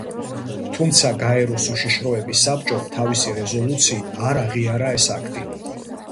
თუმცა გაეროს უშიშროების საბჭომ თავისი რეზოლუციით არ აღიარა ეს აქტი.